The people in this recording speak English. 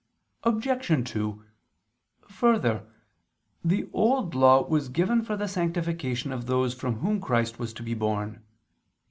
Obj. 2: Further, the Old Law was given for the sanctification of those from whom Christ was to be born.